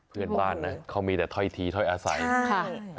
เพื่อนบ้านนะเขามีแต่ถ้อยทีถ้อยอาศัยค่ะ